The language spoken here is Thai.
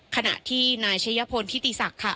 ขณะที่นายชัยพลทิติศักดิ์ค่ะ